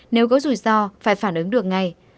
nếu có rủi ro phải phản ứng được ngay